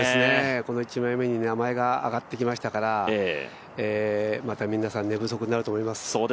この１枚目に名前が上がってきましたからまた皆さん寝不足になると思います。